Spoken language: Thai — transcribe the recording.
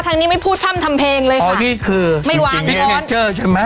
ทางนี้ไม่พูดพร่ำทำเพลงเลยอ๋อนี่คือไม่วางแน่นอนเจอใช่ไหม